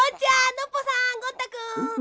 ノッポさんゴン太くん。